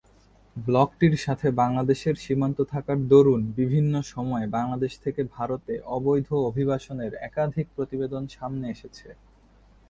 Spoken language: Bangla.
ব্লকটির সাথে বাংলাদেশের সীমান্ত থাকার দরুন বিভিন্ন সময়ে বাংলাদেশ থেকে ভারতে অবৈধ অভিবাসনের একাধিক প্রতিবেদন সামনে এসেছে।